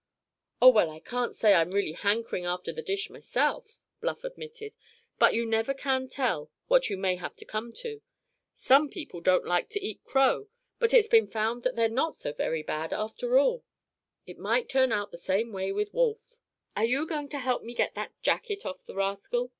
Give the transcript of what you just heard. "Oh, well, I can't say I'm really hankering after the dish myself," Bluff admitted; "but you never can tell what you may have to come to. Some people don't like to eat crow, but it's been found they're not so very bad, after all. It might turn out the same way with wolf." "Are you going to help me get that jacket off the rascal?"